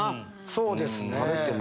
そうですね。